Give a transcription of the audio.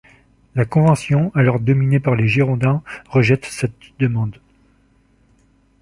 La Convention, alors dominée par les Girondins, rejette cette demande.